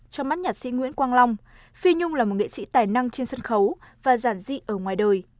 trong mắt nhạc sĩ nguyễn quang long phi nhung là một nghệ sĩ tài năng trên sân khấu và giản dị ở ngoài đời